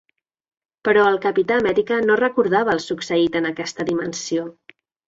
Però el Capità Amèrica no recordava el succeït en aquesta dimensió.